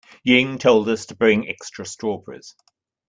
Ying told us to bring extra strawberries.